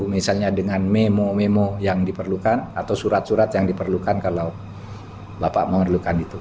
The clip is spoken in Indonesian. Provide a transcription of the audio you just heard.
misalnya dengan memo memo yang diperlukan atau surat surat yang diperlukan kalau bapak memerlukan itu